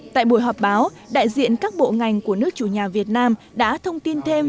tại buổi họp báo đại diện các bộ ngành của nước chủ nhà việt nam đã thông tin thêm